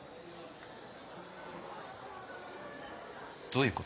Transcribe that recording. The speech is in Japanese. どういう事？